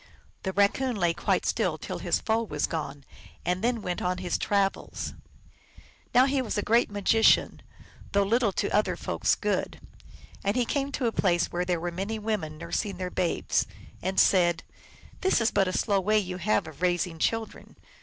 The Raccoon lay quite still till his foe was gone, and then went on his travels. Now he was a great magician, though little to other folks good. And he came to a place where there were many women nurs ing their babes, and said, " This is but a slow way you have of raising children."